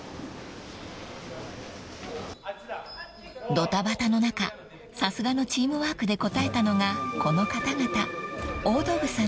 ［どたばたの中さすがのチームワークで応えたのがこの方々大道具さんです］